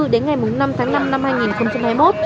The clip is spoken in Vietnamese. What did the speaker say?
đến ngày năm tháng năm năm hai nghìn hai mươi một